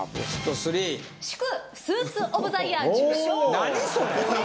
何それ！？